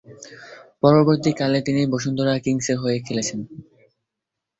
পরবর্তীকালে, তিনি বসুন্ধরা কিংসের হয়ে খেলেছেন।